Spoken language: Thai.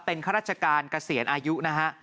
เป็นข้าราชการเกษียณอายุนะฮะ